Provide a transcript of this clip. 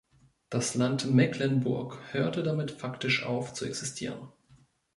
Das Land Mecklenburg hörte damit faktisch auf zu existieren.